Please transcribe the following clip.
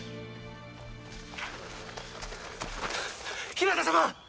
日向様！